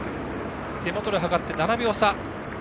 手元で計って７秒差。